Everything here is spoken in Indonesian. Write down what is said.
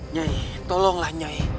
nyai tolonglah nyai